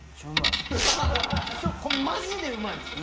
これマジでうまいんすよ。